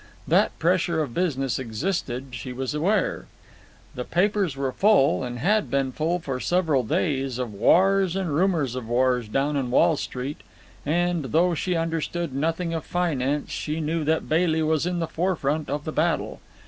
That pressure of business existed, she was aware. The papers were full, and had been full for several days, of wars and rumours of wars down in Wall Street; and, though she understood nothing of finance, she knew that Bailey was in the forefront of the battle.